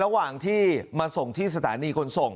ระหว่างที่มาส่งที่สถานีขนส่ง